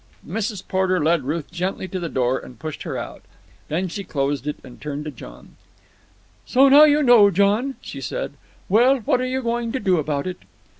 Mrs. Porter led Ruth gently to the door and pushed her out. Then she closed it and turned to him. "So now you know, John," she said. "Well, what are you going to do about it?"